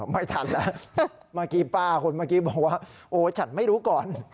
ไม่ทันแล้วคนเมื่อกี้บอกว่าโอ้ฉันไม่รู้ก่อน